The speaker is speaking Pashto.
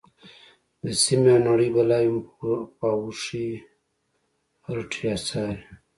د سیمې او نړۍ بلاوې مو په اوښیártیا څاري.